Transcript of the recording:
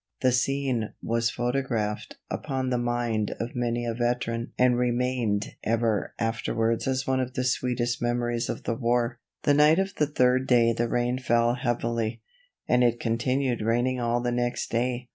The scene was photographed upon the mind of many a veteran and remained ever afterwards as one of the sweetest memories of the war. The night of the third day the rain fell heavily, and it continued raining all the next day.